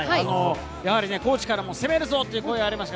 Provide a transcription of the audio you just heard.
コーチからも攻めるぞという声がありました。